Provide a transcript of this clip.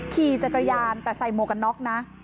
ขี่จากกระยาญแต่ใส่โมกน้อกนะ